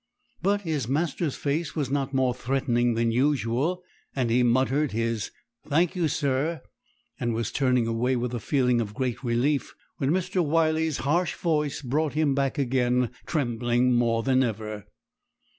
But his master's face was not more threatening than usual; and he muttered his 'Thank you, sir,' and was turning away with a feeling of great relief, when Mr. Wyley's harsh voice brought him back again, trembling more than ever.